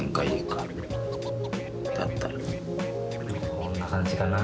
こんな感じかな。